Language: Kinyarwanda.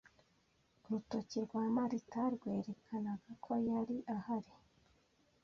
Urutoki rwa Marita rwerekanaga ko yari ahari.